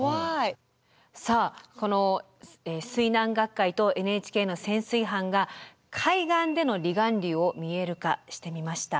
さあこの水難学会とＮＨＫの潜水班が海岸での離岸流を見える化してみました。